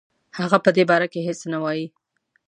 هغه په دې باره کې هیڅ نه وايي.